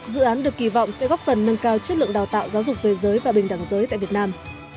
dự án được kỳ vọng sẽ góp phần nâng cao chất lượng đào tạo giáo dục về giới và bình đẳng giới tại việt nam